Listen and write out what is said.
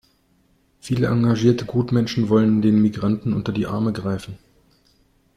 Viele engagierte Gutmenschen wollen den Migranten unter die Arme greifen.